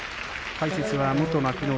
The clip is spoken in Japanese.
解説は元幕内